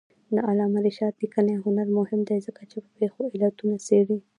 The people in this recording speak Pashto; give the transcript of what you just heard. د علامه رشاد لیکنی هنر مهم دی ځکه چې پېښو علتونه څېړي.